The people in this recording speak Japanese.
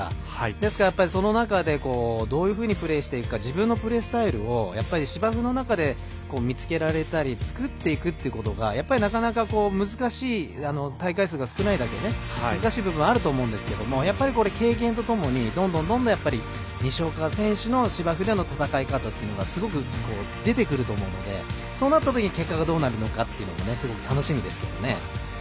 ですから、その中でどういうふうにプレーしていくか自分のプレースタイルを芝生の中で見つけられたり作っていくっていうことが大会数が少ないだけ難しい部分あると思うんですけどやっぱり、経験とともにどんどん西岡選手の芝生での戦い方というのがすごく出てくると思うのでそうなったときに結果がどうなるのかというのはすごく楽しみですけどね。